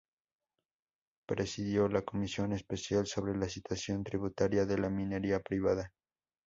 Presidió la Comisión Especial Sobre la Situación Tributaria de la Minería Privada.